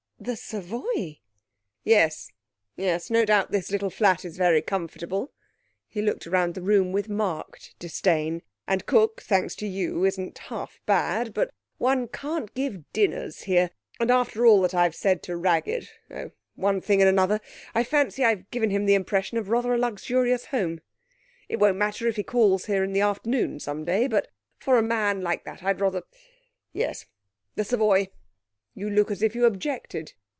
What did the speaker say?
'The Savoy?' 'Yes, yes; no doubt this little flat is very comfortable' he looked round the room with marked disdain 'and cook, thanks to you, isn't half bad ... but one can't give dinners here! And after all I've said to Raggett oh, one thing and another I fancy I've given him the impression of a rather luxurious home. It won't matter if he calls here in the afternoon some day, but for a man like that, I'd rather yes the Savoy. You look as if you objected.